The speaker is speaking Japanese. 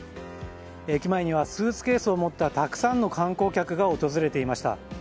駅前にはスーツケースを持ったたくさんの観光客が訪れていました。